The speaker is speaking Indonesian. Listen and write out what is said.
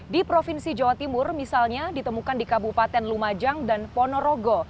di provinsi jawa timur misalnya ditemukan di kabupaten lumajang dan ponorogo